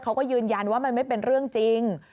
เขาก็ยืนยันว่ามันไม่เป็นเรื่องจริง